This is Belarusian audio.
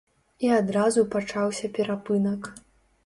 І адразу пачаўся перапынак.